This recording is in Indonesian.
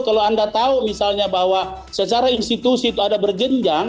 kalau anda tahu misalnya bahwa secara institusi itu ada berjenjang